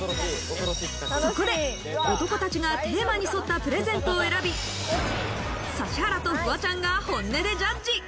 そこで、男たちがテーマに沿ったプレゼントを選び、指原とフワちゃんが本音でジャッジ。